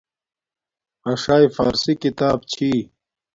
اݽݵ فارسی کتاب چھی